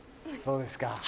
そうですか。